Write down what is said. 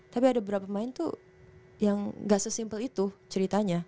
tapi ada beberapa main tuh yang gak sesimpel itu ceritanya